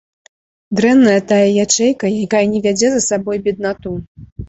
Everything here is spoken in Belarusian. Дрэнная тая ячэйка, якая не вядзе за сабой беднату.